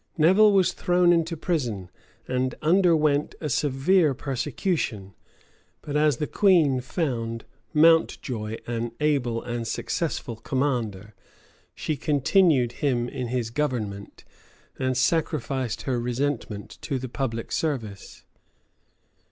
[] Nevil was thrown into prison, and underwent a severe persecution but as the queen found Mountjoy an able and successful commander, she continued him in his government, and sacrificed her resentment to the public service.